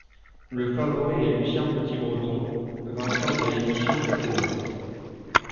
Le favori est Lucien Petit-Breton, vainqueur de l'édition précédente.